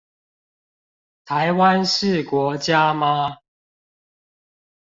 台灣是國家嗎